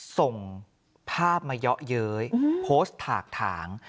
ส่งภาพมาเยาะเย้ยโพสต์ถากถาง